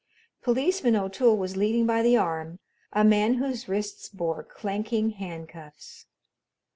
Policeman O'Toole was leading by the arm a man whose wrists bore clanking handcuffs.